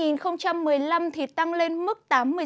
năm hai nghìn một mươi năm thì tăng lên mức tám mươi sáu hai